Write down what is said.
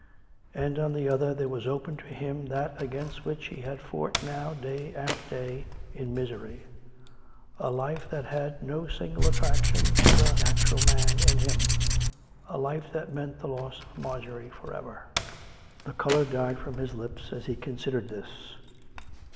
And on the other there was open to him that against which he had fought now day after day, in mis'ery — a life that had no single attraction to the natural man in him, a life that meant the loss of Marjorie for ever. The colour died from his lips as he considered this.